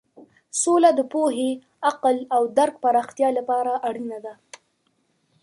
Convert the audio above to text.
سوله د پوهې، عقل او درک پراختیا لپاره اړینه ده.